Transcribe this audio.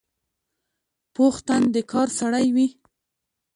پوخ تن د کار سړی وي